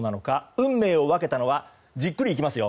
運命を分けたのはじっくりいきますよ。